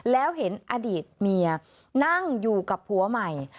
แล้วเห็นอดีตเมียนั่งอยู่กับผัวใหม่